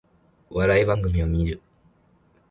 お笑い番組を観る